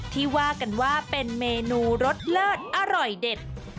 ที่ว่ากันว่าเป็นเมนูรสเลิศอร่อยเด็ด